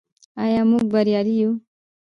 آیا موږ بریالي یو؟